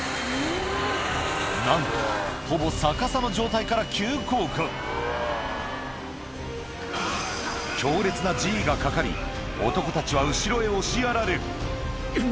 なんとほぼ逆さの状態から急降下がかかり男たちは後ろへ押しやられるん！